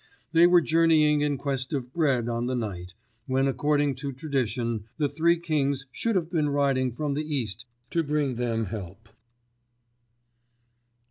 They were journeying in quest of bread on the night, when according to tradition, the Three Kings should have been riding from the East to bring them help.